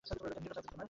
নিরোধ লাগবে তোমার?